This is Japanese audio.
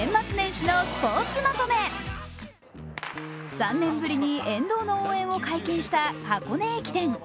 ３年ぶりに沿道の応援を解禁した箱根駅伝。